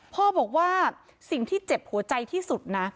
พ่อบอกว่าสิ่งที่เจ็บหัวใจที่สุดนะ